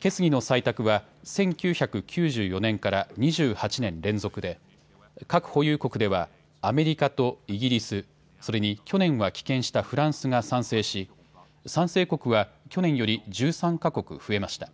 決議の採択は１９９４年から２８年連続で核保有国ではアメリカとイギリス、それに去年は棄権したフランスが賛成し、賛成国は去年より１３か国増えました。